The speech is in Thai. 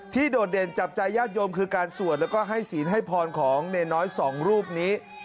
โดดเด่นจับใจญาติโยมคือการสวดแล้วก็ให้ศีลให้พรของเนรน้อยสองรูปนี้